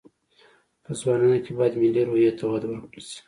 په ځوانانو کې باید ملي روحي ته وده ورکړل شي